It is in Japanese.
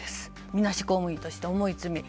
みなし公務員ですから重い罪。